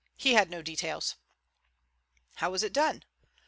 He had no details." "How was it done?"